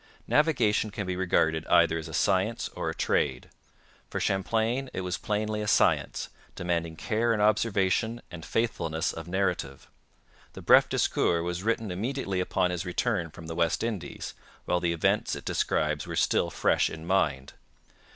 Navigation can be regarded either as a science or a trade. For Champlain it was plainly a science, demanding care in observation and faithfulness of narrative. The Bref Discours was written immediately upon his return from the West Indies, while the events it describes were still fresh in mind.